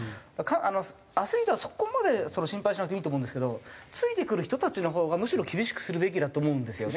あのアスリートはそこまで心配しなくていいと思うんですけどついてくる人たちのほうがむしろ厳しくするべきだと思うんですよね。